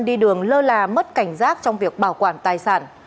đi đường lơ là mất cảnh giác trong việc bảo quản tài sản